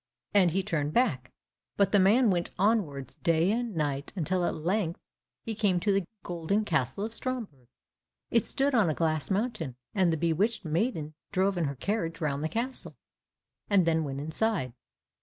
And he turned back, but the man went onwards day and night, until at length he came to the golden castle of Stromberg. It stood on a glass mountain, and the bewitched maiden drove in her carriage round the castle, and then went inside it.